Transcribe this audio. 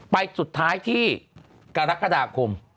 ไปสุดท้ายที่กรกฎาคม